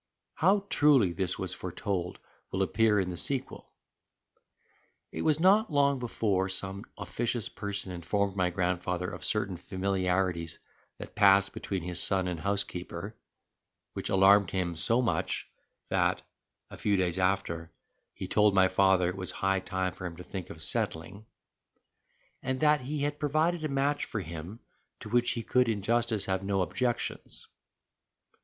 How truly this was foretold will appear in the sequel. It was not long before some officious person informed my grandfather of certain familiarities that passed between his son and housekeeper which alarmed him so much that, a few days after, he told my father it was high time for him to think of settling; and that he had provided a match for him, to which he could in justice have no objections.